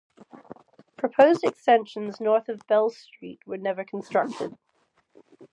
Proposed extensions north of Bell Street were never constructed.